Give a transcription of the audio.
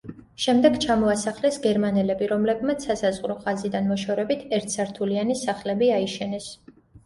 შემდეგ ჩამოასახლეს გერმანელები, რომლებმაც სასაზღვრო ხაზიდან მოშორებით ერთსართულიანი სახლები აიშენეს.